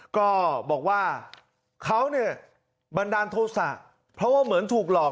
ก็บอกว่าเขาเนี่ยบันดาลโทษะเพราะว่าเหมือนถูกหลอก